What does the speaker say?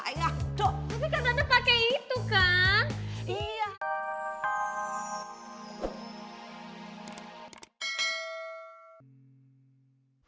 jangan jauh jauh tapi kan tante pake itu kan